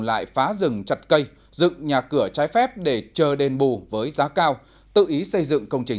lại phá rừng chặt cây dựng nhà cửa trái phép để chờ đền bù với giá cao tự ý xây dựng công trình